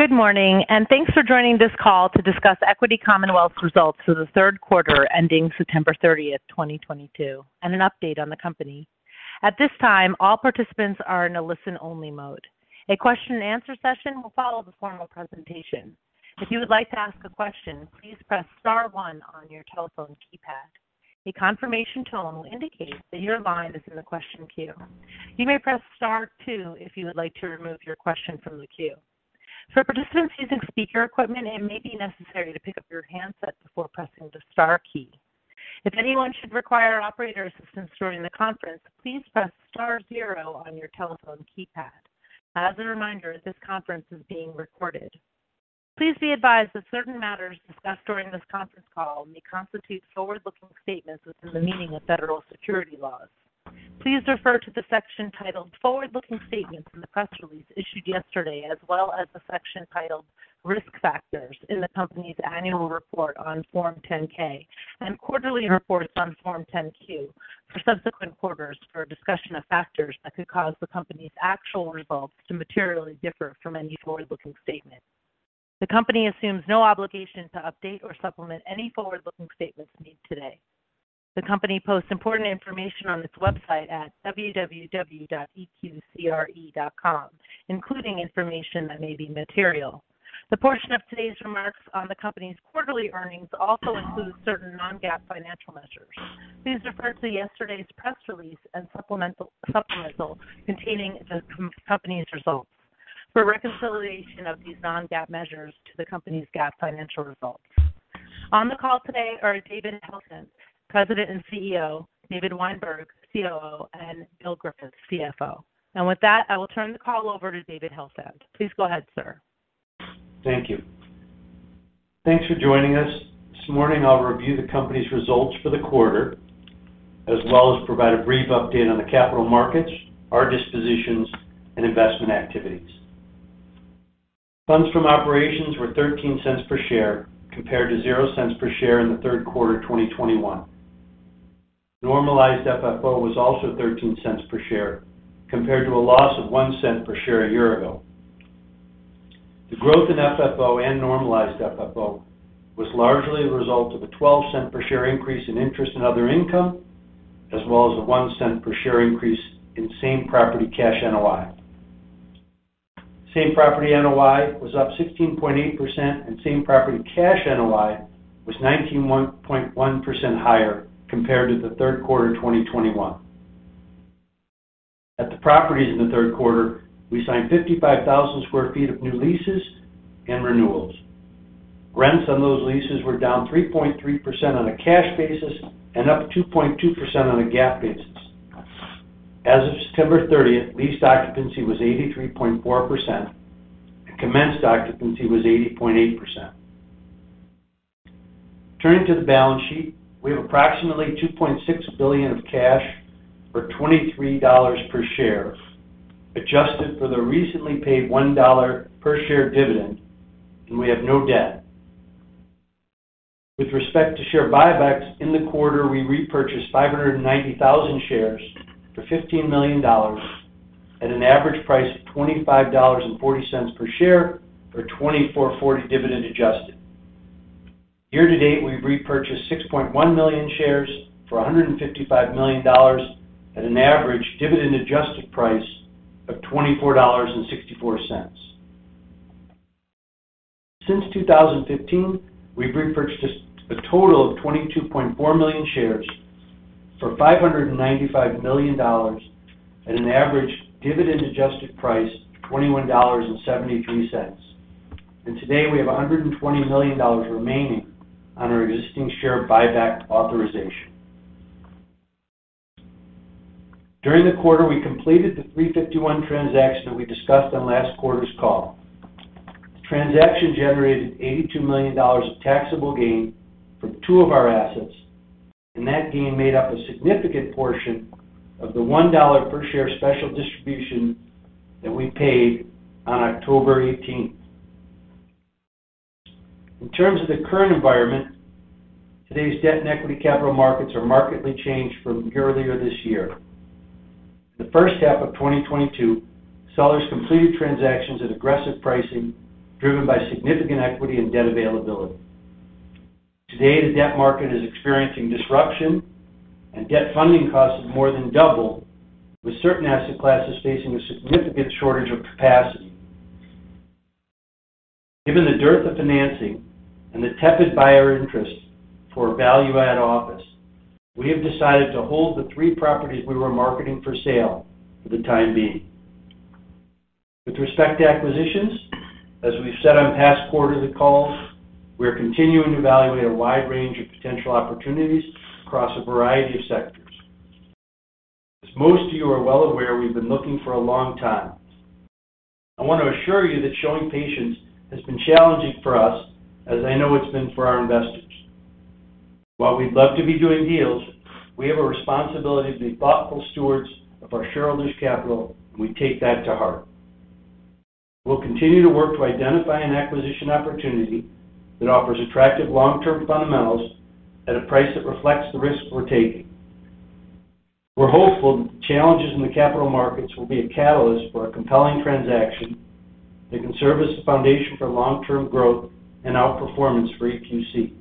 Good morning, and thanks for joining this call to discuss Equity Commonwealth's results for the third quarter ending September 30th, 2022, and an update on the company. At this time, all participants are in a listen-only mode. A question-and-answer session will follow the formal presentation. If you would like to ask a question, please press star one on your telephone keypad. A confirmation tone will indicate that your line is in the question queue. You may press star two if you would like to remove your question from the queue. For participants using speaker equipment, it may be necessary to pick up your handset before pressing the star key. If anyone should require operator assistance during the conference, please press star zero on your telephone keypad. As a reminder, this conference is being recorded. Please be advised that certain matters discussed during this conference call may constitute forward-looking statements within the meaning of federal securities laws. Please refer to the section titled "Forward-Looking Statements" in the press release issued yesterday, as well as the section titled "Risk Factors" in the company's annual report on Form 10-K and quarterly reports on Form 10-Q for subsequent quarters for a discussion of factors that could cause the company's actual results to materially differ from any forward-looking statement. The company assumes no obligation to update or supplement any forward-looking statements made today. The company posts important information on its website at www.eqcre.com, including information that may be material. The portion of today's remarks on the company's quarterly earnings also includes certain non-GAAP financial measures. Please refer to yesterday's press release and supplemental containing the company's results for reconciliation of these non-GAAP measures to the company's GAAP financial results. On the call today are David Helfand, President and CEO, David Weinberg, COO, and Bill Griffiths, CFO. With that, I will turn the call over to David Helfand. Please go ahead, sir. Thank you. Thanks for joining us. This morning I'll review the company's results for the quarter, as well as provide a brief update on the capital markets, our dispositions, and investment activities. Funds from operations were $0.13 per share compared to $0.00 per share in the third quarter of 2021. Normalized FFO was also $0.13 per share compared to a loss of $0.01 per share a year ago. The growth in FFO and normalized FFO was largely a result of a $0.12 per share increase in interest and other income, as well as a $0.01 per share increase in same-property cash NOI. Same-property NOI was up 16.8%, and same-property cash NOI was 19.1% higher compared to the third quarter of 2021. At the properties in the third quarter, we signed 55,000 sq ft of new leases and renewals. Rents on those leases were down 3.3% on a cash basis and up 2.2% on a GAAP basis. As of September 30th, lease occupancy was 83.4%, and commenced occupancy was 80.8%. Turning to the balance sheet, we have approximately $2.6 billion of cash for $23 per share, adjusted for the recently paid $1 per share dividend, and we have no debt. With respect to share buybacks, in the quarter we repurchased 590,000 shares for $15 million at an average price of $25.40 per share, the $24.40 dividend adjusted. Year to date, we've repurchased 6.1 million shares for $155 million at an average dividend-adjusted price of $24.64. Since 2015, we've repurchased a total of 22.4 million shares for $595 million at an average dividend-adjusted price of $21.73. Today, we have $120 million remaining on our existing share buyback authorization. During the quarter, we completed the 351 transaction that we discussed on last quarter's call. The transaction generated $82 million of taxable gain from two of our assets, and that gain made up a significant portion of the $1 per share special distribution that we paid on October 18th. In terms of the current environment, today's debt and equity capital markets are markedly changed from earlier this year. The first half of 2022, sellers completed transactions at aggressive pricing driven by significant equity and debt availability. Today, the debt market is experiencing disruption and debt funding costs have more than doubled, with certain asset classes facing a significant shortage of capacity. Given the dearth of financing and the tepid buyer interest for value-add office, we have decided to hold the three properties we were marketing for sale for the time being. With respect to acquisitions, as we've said on past quarterly calls, we are continuing to evaluate a wide range of potential opportunities across a variety of sectors. As most of you are well aware, we've been looking for a long time. I want to assure you that showing patience has been challenging for us, as I know it's been for our investors. While we'd love to be doing deals, we have a responsibility to be thoughtful stewards of our shareholders' capital, and we take that to heart. We'll continue to work to identify an acquisition opportunity that offers attractive long-term fundamentals at a price that reflects the risk we're taking. We're hopeful challenges in the capital markets will be a catalyst for a compelling transaction that can serve as the foundation for long-term growth and outperformance for EQC.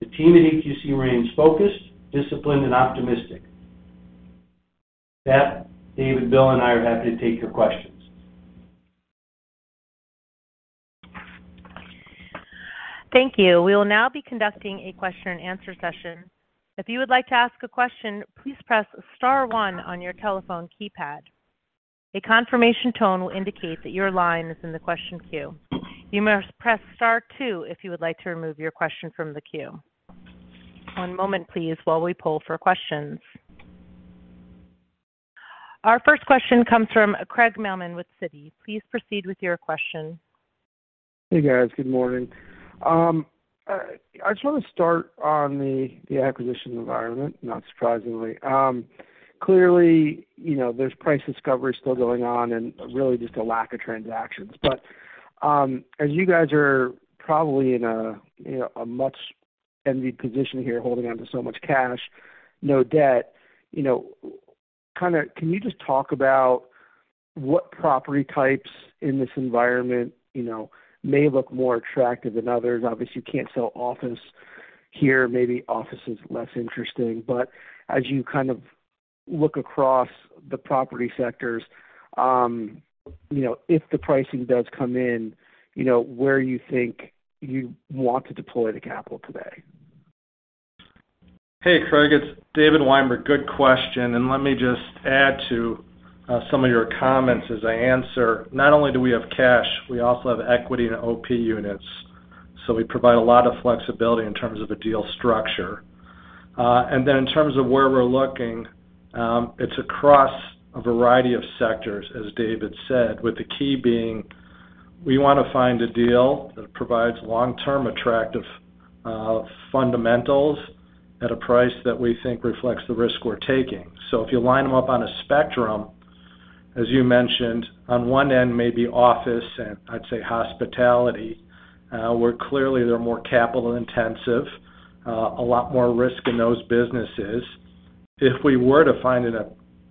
The team at EQC remains focused, disciplined, and optimistic. With that, Dave and Bill and I are happy to take your questions. Thank you. We will now be conducting a question-and-answer session. If you would like to ask a question, please press star one on your telephone keypad. A confirmation tone will indicate that your line is in the question queue. You must press star two if you would like to remove your question from the queue. One moment, please, while we poll for questions. Our first question comes from Craig Mailman with Citi. Please proceed with your question. Hey, guys. Good morning. I just wanna start on the acquisition environment, not surprisingly. Clearly, you know, there's price discovery still going on and really just a lack of transactions. But as you guys are probably in a, you know, a much envied position here, holding on to so much cash, no debt, you know, kinda can you just talk about what property types in this environment, you know, may look more attractive than others? Obviously, you can't sell office here. Maybe office is less interesting. But as you kind of look across the property sectors, you know, if the pricing does come in, you know, where you think you want to deploy the capital today. Hey, Craig, it's David Weinberg. Good question, and let me just add to some of your comments as I answer. Not only do we have cash, we also have equity in OP units, so we provide a lot of flexibility in terms of the deal structure. In terms of where we're looking, it's across a variety of sectors, as David said, with the key being we wanna find a deal that provides long-term attractive fundamentals at a price that we think reflects the risk we're taking. If you line them up on a spectrum, as you mentioned, on one end, maybe office and I'd say hospitality, where clearly they're more capital-intensive, a lot more risk in those businesses. If we were to find an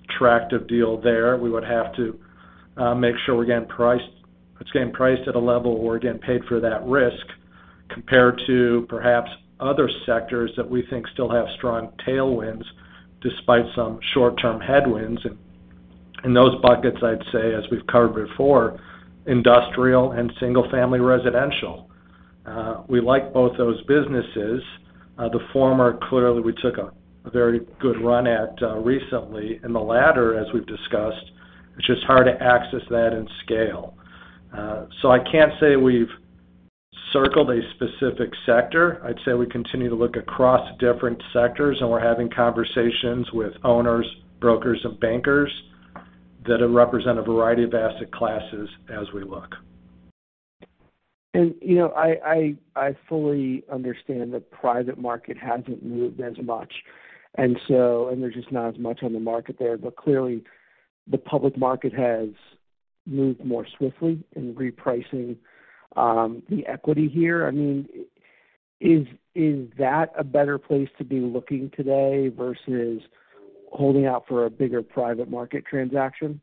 attractive deal there, we would have to make sure it's getting priced at a level where we're getting paid for that risk, compared to perhaps other sectors that we think still have strong tailwinds despite some short-term headwinds. In those buckets, I'd say, as we've covered before, industrial and single-family residential. We like both those businesses. The former, clearly, we took a very good run at recently. The latter, as we've discussed, it's just hard to access that in scale. I can't say we've circled a specific sector. I'd say we continue to look across different sectors, and we're having conversations with owners, brokers, and bankers that represent a variety of asset classes as we look. You know, I fully understand the private market hasn't moved as much, and there's just not as much on the market there. Clearly, the public market has moved more swiftly in repricing the equity here. I mean, is that a better place to be looking today versus holding out for a bigger private market transaction?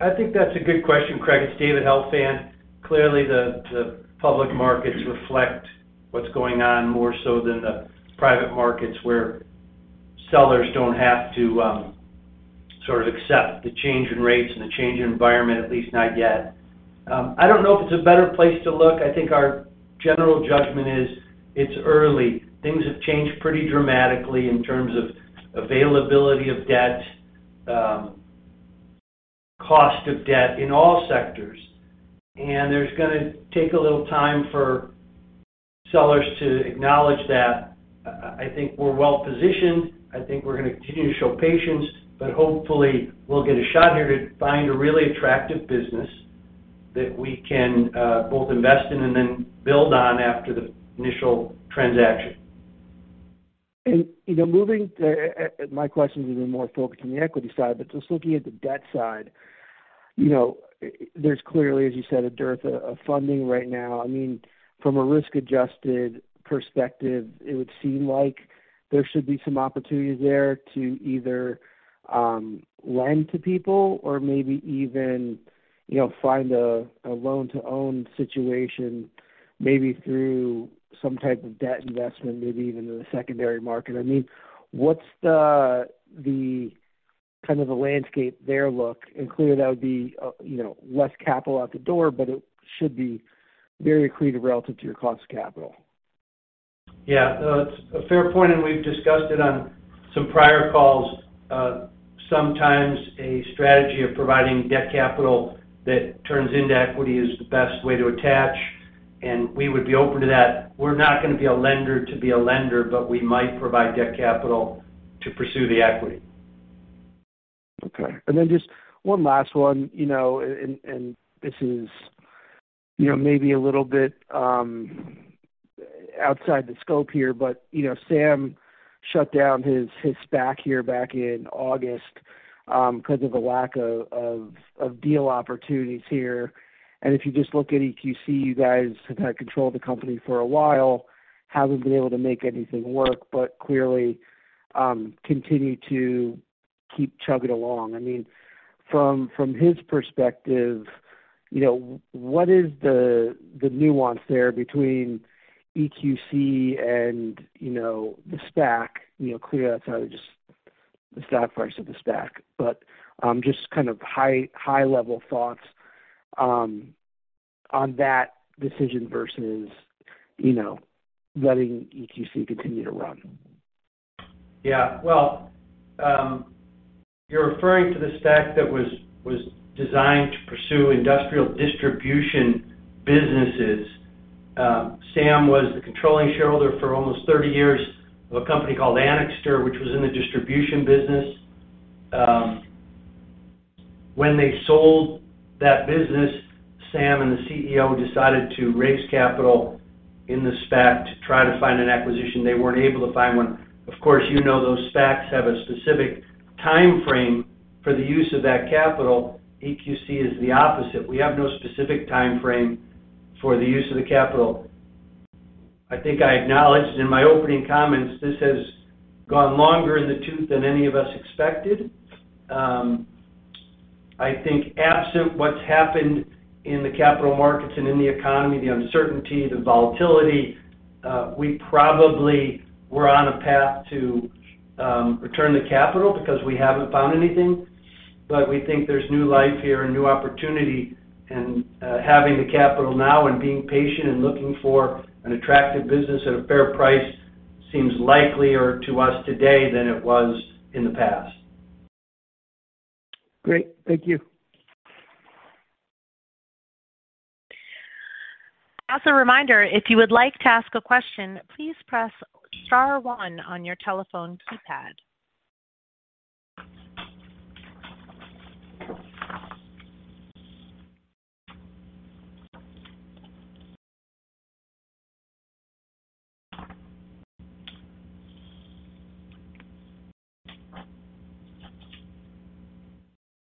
I think that's a good question, Craig. It's David Helfand. Clearly, the public markets reflect what's going on more so than the private markets, where sellers don't have to sort of accept the change in rates and the change in environment, at least not yet. I don't know if it's a better place to look. I think our general judgment is it's early. Things have changed pretty dramatically in terms of availability of debt, cost of debt in all sectors, and there's gonna take a little time for sellers to acknowledge that. I think we're well-positioned. I think we're gonna continue to show patience, but hopefully, we'll get a shot here to find a really attractive business that we can both invest in and then build on after the initial transaction. You know, moving to my question is even more focused on the equity side, but just looking at the debt side, you know, there's clearly, as you said, a dearth of funding right now. I mean, from a risk-adjusted perspective, it would seem like there should be some opportunities there to either lend to people or maybe even, you know, find a loan-to-own situation, maybe through some type of debt investment, maybe even in the secondary market. I mean, what's the kind of the landscape there look? Clearly, that would be, you know, less capital out the door, but it should be very accretive relative to your cost of capital. Yeah. No, it's a fair point, and we've discussed it on some prior calls. Sometimes a strategy of providing debt capital that turns into equity is the best way to attach, and we would be open to that. We're not gonna be a lender, but we might provide debt capital to pursue the equity. Okay. Then just one last one, you know, and this is, you know, maybe a little bit outside the scope here, but you know, Sam shut down his SPAC here back in August. Because of the lack of deal opportunities here. If you just look at EQC, you guys have had control of the company for a while, haven't been able to make anything work, but clearly continue to keep chugging along. I mean, from his perspective, you know, what is the nuance there between EQC and, you know, the SPAC? You know, clearly, that's how the SPAC priced the SPAC. Just kind of high-level thoughts on that decision versus, you know, letting EQC continue to run. Yeah. Well, you're referring to the SPAC that was designed to pursue industrial distribution businesses. Sam was the controlling shareholder for almost 30 years of a company called Anixter, which was in the distribution business. When they sold that business, Sam and the CEO decided to raise capital in the SPAC to try to find an acquisition. They weren't able to find one. Of course, you know those SPACs have a specific timeframe for the use of that capital. EQC is the opposite. We have no specific timeframe for the use of the capital. I think I acknowledged in my opening comments, this has gone longer in the tooth than any of us expected. I think absent what's happened in the capital markets and in the economy, the uncertainty, the volatility, we probably were on a path to return the capital because we haven't found anything. We think there's new life here and new opportunity, and, having the capital now and being patient and looking for an attractive business at a fair price seems likelier to us today than it was in the past. Great. Thank you. As a reminder, if you would like to ask a question, please press star one on your telephone keypad.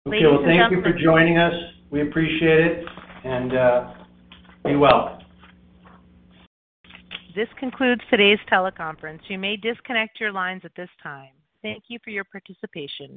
Okay. Well, thank you for joining us. We appreciate it, and be well. This concludes today's teleconference. You may disconnect your lines at this time. Thank you for your participation.